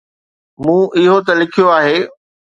مون اهو نه لکيو آهي